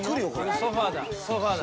ソファだね。